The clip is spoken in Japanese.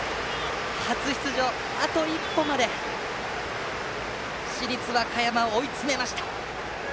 あと一歩まで市立和歌山を追い詰めました。